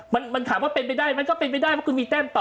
มันถามว่าเป็นไปได้มันก็เป็นไปได้เพราะคุณมีแต้มต่อ